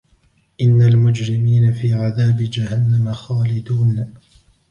إن المجرمين في عذاب جهنم خالدون